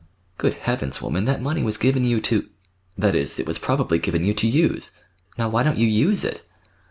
"Good Heavens, woman, that money was given you to—that is, it was probably given you to use. Now, why don't you use it?"